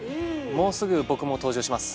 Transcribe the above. もうすぐ僕も登場します。